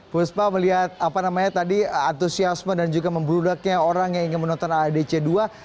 puspa melihat apa namanya tadi antusiasme dan juga membludaknya orang yang ingin menonton aadc dua